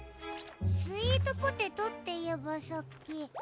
スイートポテトっていえばさっき。